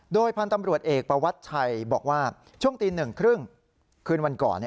โดยพันธ์ตำรวจเอกประวัติชัยบอกว่าช่วงตี๑๓๐คืนวันก่อน